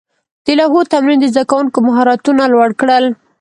د لوحو تمرین د زده کوونکو مهارتونه لوړ کړل.